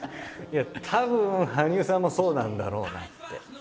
たぶん羽生さんもそうなんだろうなって。